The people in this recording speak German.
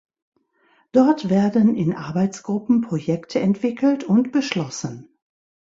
Dort werden in Arbeitsgruppen Projekte entwickelt und beschlossen.